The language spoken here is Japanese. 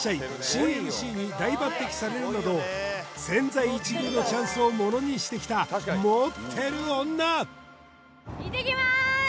新ＭＣに大抜てきされるなど千載一遇のチャンスをモノにしてきた持ってる女！